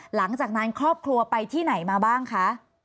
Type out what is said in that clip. หลังจากนั้นครอบครัวไปที่ไหนมาบ้างคะ